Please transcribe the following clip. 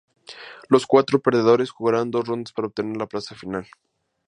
Los cuatro perdedores jugarán dos rondas para obtener la plaza final.